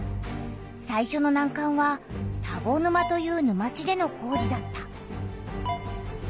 さいしょのなんかんは田子沼という沼地での工事だった。